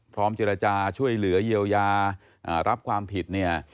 พร้อมเจรจาช่วยเหลือเยียวยารับความผิด